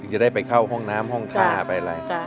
จะได้ไปเข้าห้องน้ำห้องท่าไปอะไร